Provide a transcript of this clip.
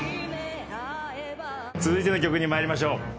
続いての曲に参りましょう。